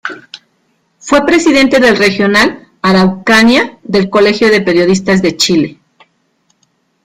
Fue presidente del Regional Araucanía del Colegio de Periodistas de Chile.